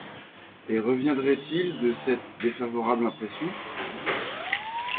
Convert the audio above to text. et reviendrait-il de cette défavorable impression ?…